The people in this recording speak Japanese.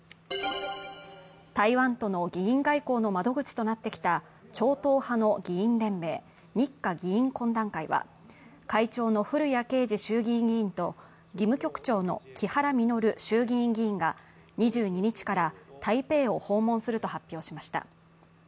台湾との議員外交の窓口となってきた超党派の議員連盟、日華議員懇談会は会長の古屋圭司衆議院議員と事務局長の木原稔衆議院議員が２２日から台北を訪問すると発表しました。